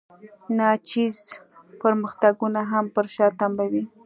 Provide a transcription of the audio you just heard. ناچیز پرمختګونه هم پر شا تمبوي.